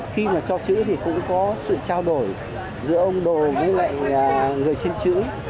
khi mà cho chữ thì cũng có sự trao đổi giữa ông đồ với lại người trên chữ